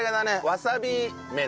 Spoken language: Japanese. わさび麺。